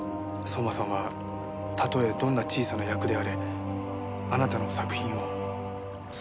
相馬さんはたとえどんな小さな役であれあなたの作品を全て見ていたんです。